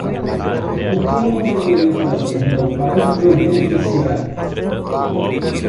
Por que eu não deveria fazer meu pai meu beneficiário?